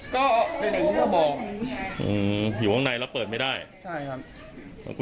ก็เด็กเด็กเขาบอกอืมอยู่ข้างในแล้วเปิดไม่ได้ใช่ครับ